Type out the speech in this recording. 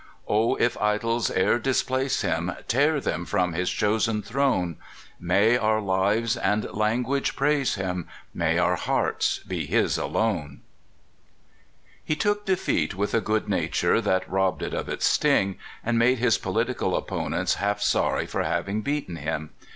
O if idols e'er displace him, Tear them from his chosen throne! May our lives and language praise him! May our hearts be his alone! He took defeat with a good nature that robbed it of its sting, and made his poUtical opponents half sorry for having beaten him.